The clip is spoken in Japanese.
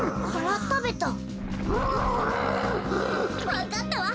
わかったわ。